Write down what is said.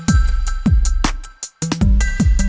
gak ada yang nungguin